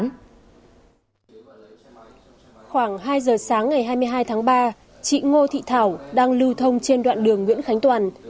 khoảng hai giờ sáng ngày hai mươi hai tháng ba chị ngô thị thảo đang lưu thông trên đoạn đường nguyễn khánh toàn